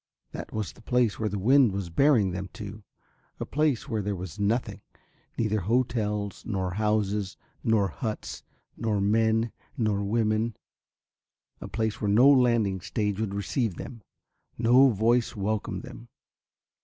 That was the place where the wind was bearing them to, a place where there was nothing. Neither hotels nor houses nor huts, nor men nor women, a place where no landing stage would receive them, no voice welcome them.